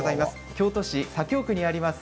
京都市左京区にあります